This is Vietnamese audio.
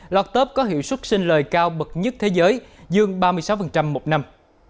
lọt tớp có hiệu xuất sinh lời cao bậc nhất thế giới dương ba mươi sáu một năm